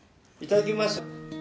「はいいただきます」